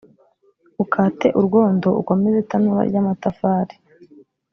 ukate urwondo ukomeze itanura ry amatafari